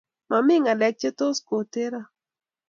Mami ngalek che tos kotero.